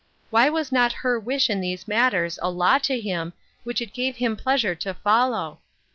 Why was not her wish in these matters a law to him, which it gave him pleasure to follow